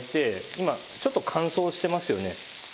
今ちょっと乾燥してますよね。